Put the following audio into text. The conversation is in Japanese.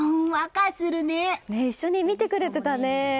一緒に見てくれていたね。